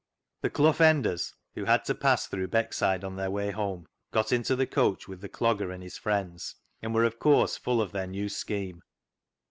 The Clough Enders, who had to pass through Beckside on their way home, got into the coach with the Clogger and his friends, and were, of course, full of their new scheme.